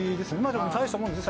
でも大したもんです